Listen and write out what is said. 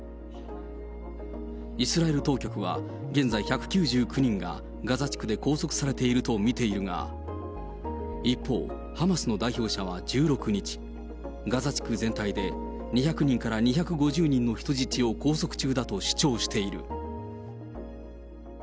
イスラエル当局は、現在１９９人がガザ地区で拘束されていると見ているが、一方、ハマスの代表者は１６日、ガザ地区全体で２００人から２５０人の人質を拘束中だと主張している。